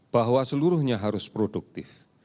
bahwa seluruhnya harus produktif